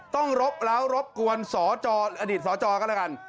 ต้องรบร้าวรบกวนสอจออดีตสอจอก็แล้วกัน